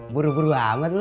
buru buru amat loh